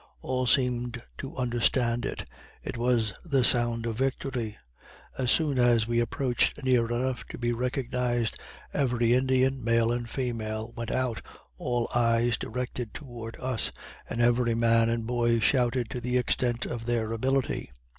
All seemed to understand it it was the sound of victory. As soon as we approached near enough to be recognized, every Indian, male and female, were out all eyes directed towards us and every man and boy shouted to the extent of their ability.